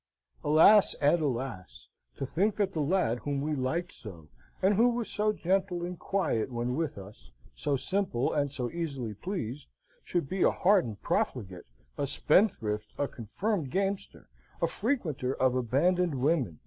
Alas, and alas! to think that the lad whom we liked so, and who was so gentle and quiet when with us, so simple and so easily pleased, should be a hardened profligate, a spendthrift, a confirmed gamester, a frequenter of abandoned women!